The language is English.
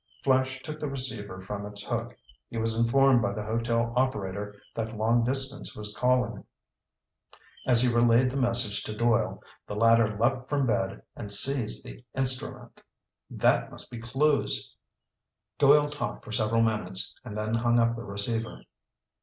Flash took the receiver from its hook. He was informed by the hotel operator that long distance was calling. As he relayed the message to Doyle, the latter leaped from bed and seized the instrument. "That must be Clewes!" Doyle talked for several minutes and then hung up the receiver.